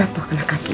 ada anak podobat itu